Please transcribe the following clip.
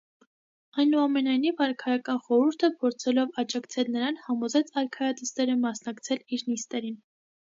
Այնուամենայնիվ, արքայական խորհուրդը, փորձելով աջակցել նրան, համոզեց արքայադստերը մասնակցել իր նիստերին։